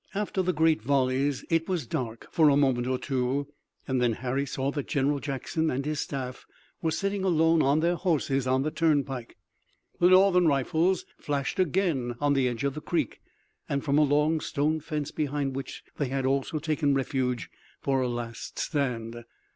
After the great volleys it was dark for a moment or two and then Harry saw that General Jackson and his staff were sitting alone on their horses on the turnpike. The Northern rifles flashed again on the edge of the creek, and from a long stone fence, behind which they had also taken refuge for a last stand.